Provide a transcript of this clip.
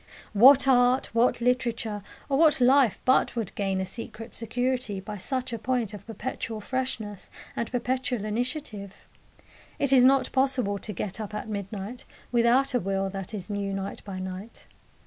What art, what literature, or what life but would gain a secret security by such a point of perpetual freshness and perpetual initiative? It is not possible to get up at midnight without a will that is new night by night.